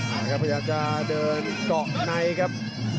พยายามจะเดินเกาะในครับ